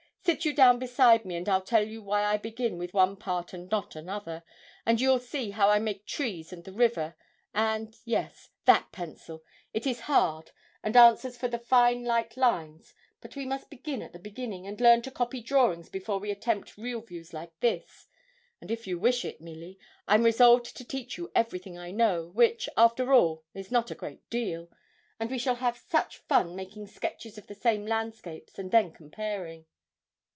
Sit you down beside me and I'll tell you why I begin with one part and not another, and you'll see how I make trees and the river, and yes, that pencil, it is hard and answers for the fine light lines; but we must begin at the beginning, and learn to copy drawings before we attempt real views like this. And if you wish it, Milly, I'm resolved to teach you everything I know, which, after all, is not a great deal, and we shall have such fun making sketches of the same landscapes, and then comparing.'